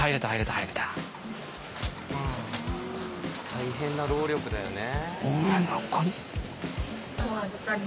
大変な労力だよね。